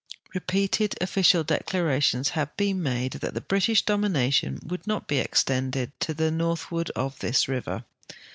Repeated official declara tions had been made that the Britisii dominion would not l»e extended to the northward of this river.